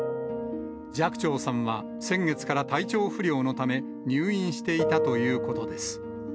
寂聴さんは先月から体調不良のため、入院していたということです。